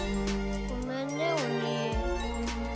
ごめんねお兄。